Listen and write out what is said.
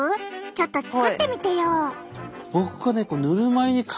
ちょっと作ってみてよ。